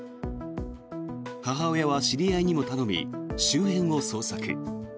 母親は知り合いにも頼み周辺を捜索。